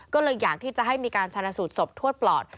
ก็เลยอยากที่จะให้มีการชนะสูตรศพทวดปลอด